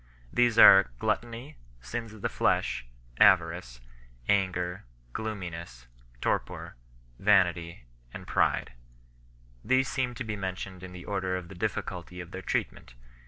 These are gluttony, sins of the flesh, avarice, anger, gloominess, torpor 6 , vanity, and pride. These seem to be mentioned in the order of the difficulty of their treatment.